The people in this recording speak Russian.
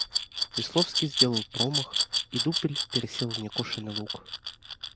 Весловский сделал промах, и дупель пересел в некошенный луг.